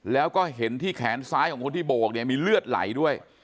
แล้วก็เห็นที่แขนซ้ายของคนที่โบกเนี่ยมีเลือดไหลด้วย